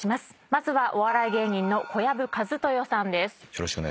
まずはお笑い芸人の小籔千豊さんです。